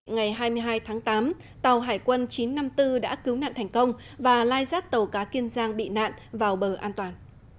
ngày hai mươi hai tháng tám tàu hải quân chín trăm năm mươi bốn đã cứu nạn thành công và lai rát tàu cá kiên giang bị nạn vào bờ an toàn